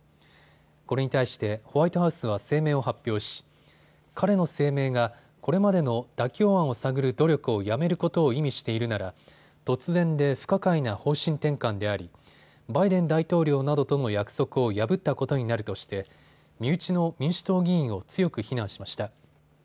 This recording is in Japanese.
これに対してホワイトハウスは声明を発表し彼の声明がこれまでの妥協案を探る努力をやめることを意味しているなら突然で不可解な方針転換でありバイデン大統領などとの約束を破ったことになるとして身内の民主党議員を強く非難しました。